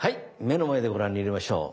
目の前でご覧に入れましょう。